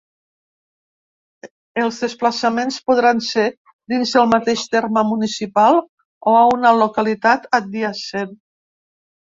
Els desplaçaments podran ser dins del mateix terme municipal o a una localitat adjacent.